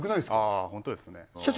ああホントですね社長